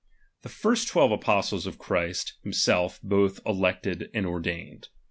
The first twelve apostles Christ himself botli elected and ordained.